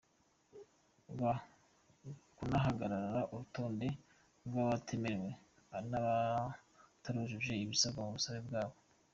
rw hanagaragara urutonde rw’abatemerewe n’abatarujuje ibisabwa mu busabe bwabo.